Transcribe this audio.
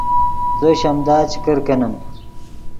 زو شیمدا چے کرکینیم